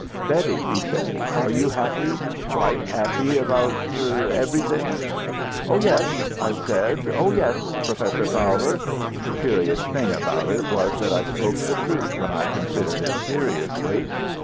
"'Betty,' he said, 'are you happy, quite happy, about everything?' "'Oh yes!' I said. 'Oh yes, Professor Fowler!' The curious thing about it was that I spoke the truth when I considered it seriously.